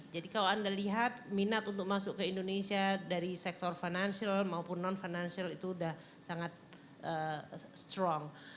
jadi kalau anda lihat minat untuk masuk ke indonesia dari sektor financial maupun non financial itu sudah sangat strong